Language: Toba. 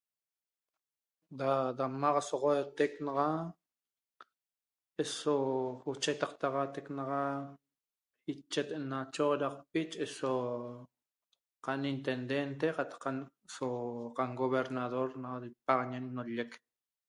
Da damaxasoxootec naxa eso ochetaqtaxaatec naxa iachet na choxodaqpi nache eso qanintendente qatac so qangobernador na pagaianec na nallec